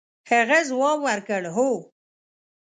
هغه ځواب ورکړ هو.